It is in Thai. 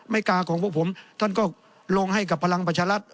ไม่กาของพวกผมท่านก็ลงให้กับพลังปัชฌรัตน์